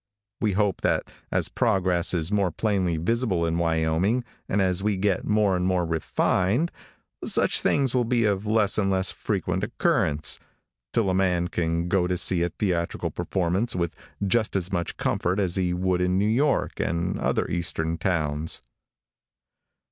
We hope that as progress is more plainly visible in Wyoming, and as we get more and more refined, such things will be of less and less frequent occurrence, till a man can go to see a theatrical performance with just as much comfort as he would in New York and other eastern towns.